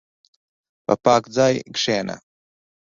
په پاک ځای کښېنه.